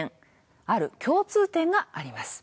ある共通点があります。